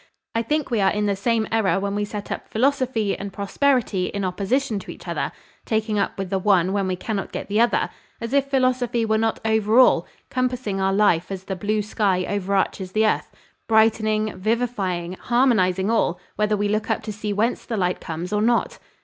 I think we are in the same error when we set up philosophy and prosperity in opposition to each other, taking up with the one when we cannot get the other, as if philosophy were not over all, compassing our life as the blue sky overarches the earth, brightening, vivifying, harmonising all, whether we look up to see whence the light comes or not."